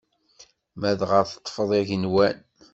Ma dɣa teṭṭfeḍ igenwan.